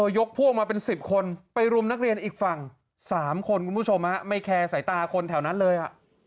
ยกพวกมาเป็น๑๐คนไปรุมนักเรียนอีกฝั่ง๓คนคุณผู้ชมไม่แคร์สายตาคนแถวนั้นเลย